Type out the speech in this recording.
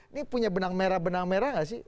ini punya benang merah benang merah nggak sih